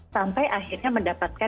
sampai akhirnya mendapatkan